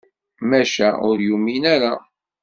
Maca ur yumin ara.